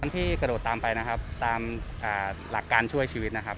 ที่กระโดดตามไปนะครับตามหลักการช่วยชีวิตนะครับ